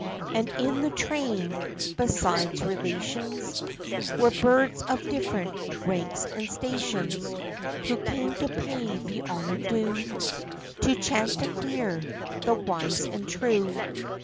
And in the train, besides relations, Were birds of different ranks and stations, Who came to pay the honor due To Chanticleer, the wise and true.